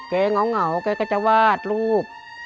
เก๋เหงาเก๋ก็จะวาดรูป